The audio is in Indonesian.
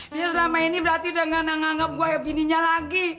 dia selama ini berarti udah gak nanggap gue kayak bininya lagi